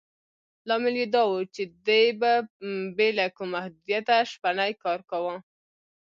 لامل یې دا و چې دې به بې له کوم محدودیته شپنی کار کاوه.